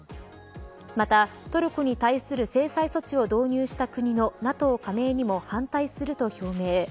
また、トルコに対する制裁措置を導入した国のＮＡＴＯ加盟にも反対すると表明。